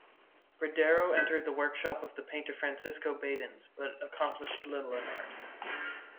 Bredero entered the workshop of the painter Francisco Badens, but accomplished little in art.